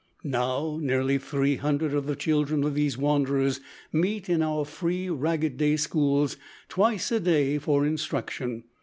Now, nearly three hundred of the children of these wanderers meet in our Free Ragged Day Schools twice a day for instruction.